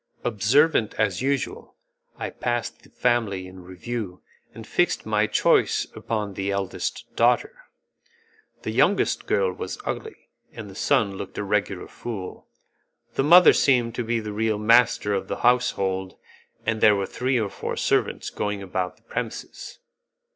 Observant as usual, I passed the family in review, and fixed my choice upon the eldest daughter. The youngest girl was ugly, and the son looked a regular fool. The mother seemed to be the real master of the household, and there were three or four servants going about the premises.